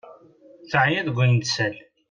Teɛya deg wayen tessal.